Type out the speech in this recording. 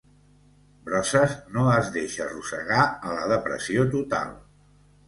Brosses no es deixa arrossegar a la depressió total.